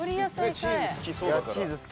チーズ好きそうだから。